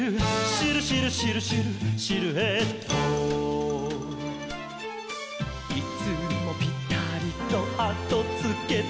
「シルシルシルシルシルエット」「いつもぴたりとあとつけてくる」